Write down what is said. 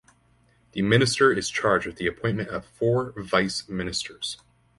The minister is charged with the appointment of four vice ministers.